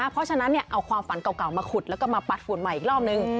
เพราะฉะนั้นเอาความฝันเก่ามาขุดแล้วก็มาปัดฝุ่นใหม่อีกรอบนึง